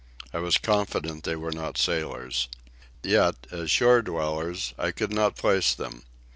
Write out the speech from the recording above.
I was confident they were not sailors. Yet, as shore dwellers, I could not place them.